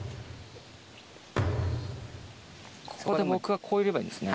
ここで僕がこういればいいんですね。